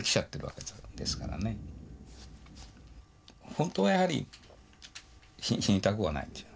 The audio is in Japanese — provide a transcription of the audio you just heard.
本当はやはり死にたくはないですよ。